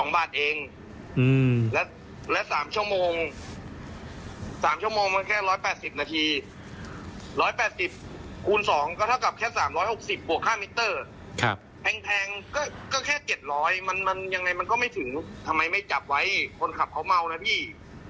และ๓ชั่วโมง๓ชั่วโมงมันแค่๑๘๐นาที๑๘๐คูณ๒ก็เท่ากับแค่๓๖๐บวกค่ามิเตอร์แพงก็แค่๗๐๐มันยังไงมันก็ไม่ถึงทำไมไม่จับไว้คนขับเขาเมานะพี่